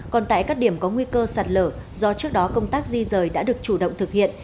còn tại các điểm có nguy cơ sạt lở do trước đó công tác di rời đã được chủ động thực hiện